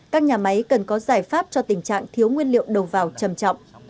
các nhà máy cần có giải pháp cho tình trạng thiếu nguyên liệu đầu vào trầm trọng